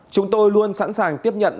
chúng tôi luôn sẵn sàng tiếp nhận